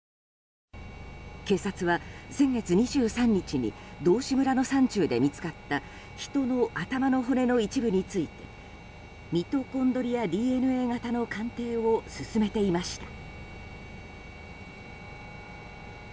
警察は、先月２３日に道志村の山中で見つかった人の頭の骨の一部についてミトコンドリアＤＮＡ型の鑑定を進めていました。